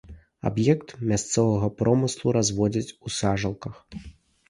Аб'ект мясцовага промыслу, разводзяць у сажалках.